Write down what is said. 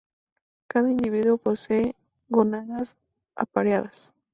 Cada individuo posee gónadas apareadas.